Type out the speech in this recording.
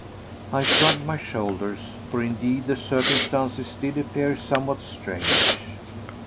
I shrugged my shoulders, for indeed the circumstances did appear somewhat strange.